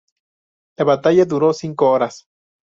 La batalla duró cinco horas.